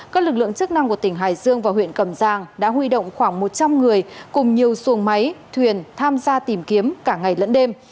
các lực lượng chức năng của tỉnh hải dương và huyện cầm giang đã huy động khoảng một trăm linh người cùng nhiều xuồng máy thuyền tham gia tìm kiếm cả ngày lẫn đêm